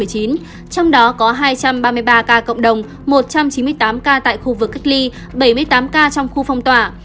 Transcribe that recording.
trong đó có hai trăm ba mươi ba ca cộng đồng một trăm chín mươi tám ca tại khu vực cách ly bảy mươi tám ca trong khu phong tỏa